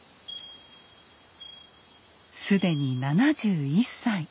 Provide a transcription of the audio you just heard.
既に７１歳。